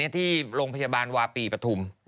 ที่โรงพยาบาลวาปีปฐุม